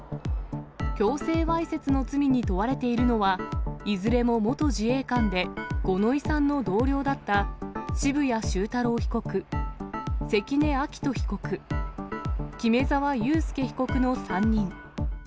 強制わいせつの罪に問われているのは、いずれも元自衛官で五ノ井さんの同僚だった渋谷修太郎被告、関根亮斗被告、木目沢佑輔被告の３人。